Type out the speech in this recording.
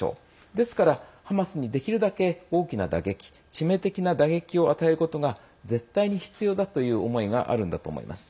ですから、ハマスにできるだけ大きな打撃致命的な打撃を与えることが絶対に必要だという思いがあるんだと思います。